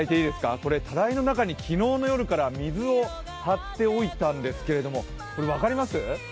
これ、たらいの中に昨日の夜から水を張っておいたんですけど分かります？